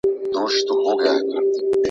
تعلیم د وګړو د ژوند معیار لوړوي.